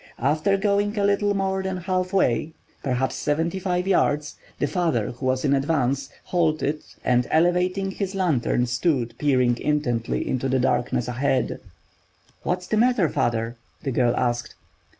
After going a little more than half way—perhaps seventy five yards—the father, who was in advance, halted, and elevating his lantern stood peering intently into the darkness ahead. "What is the matter, father?" the girl asked.